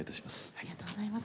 ありがとうございます。